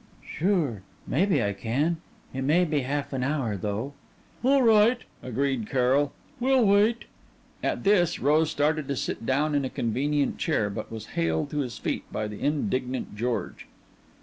"Sure. Maybe I can. It may be half an hour, though." "All right," agreed Carrol, "we'll wait." At this Rose started to sit down in a convenient chair, but was hailed to his feet by the indignant George.